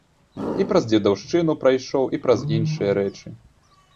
І праз дзедаўшчыну прайшоў, і праз іншыя рэчы.